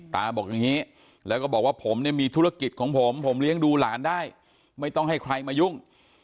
บอกอย่างนี้แล้วก็บอกว่าผมเนี่ยมีธุรกิจของผมผมเลี้ยงดูหลานได้ไม่ต้องให้ใครมายุ่ง